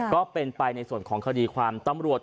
ก็เป็นไปในส่วนของคดีความตำรวจ